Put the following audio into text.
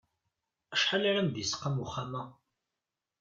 Acḥal ara m-d-isqam uxxam-a?